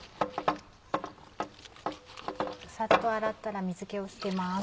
サッと洗ったら水気を捨てます。